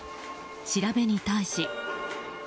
調べに対し。